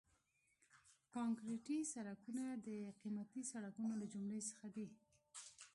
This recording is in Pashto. کانکریټي سړکونه د قیمتي سړکونو له جملې څخه دي